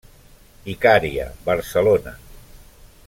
Icària, Barcelona.